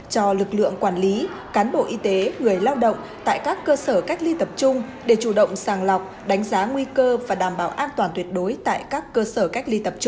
cho lực lượng quản lý cán bộ y tế